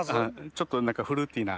ちょっとフルーティーな。